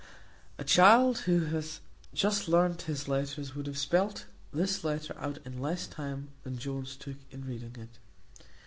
A child who hath just learnt his letters would have spelt this letter out in less time than Jones took in reading it.